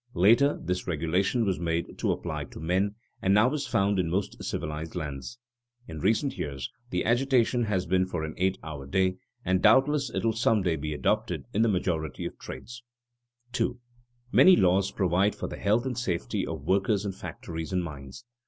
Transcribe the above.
Later, this regulation was made to apply to men, and now is found in most civilized lands. In recent years the agitation has been for an eight hour day, and doubtless it will some day be adopted in the majority of trades. [Sidenote: The workmen's remedies for injuries] 2. _Many laws provide for the health and safety of workers in factories and mines.